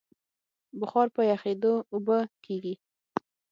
بخار په یخېدو اوبه کېږي.